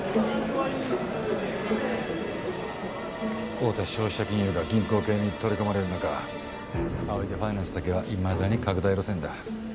大手消費者金融が銀行系に取り込まれる中青池ファイナンスだけはいまだに拡大路線だ。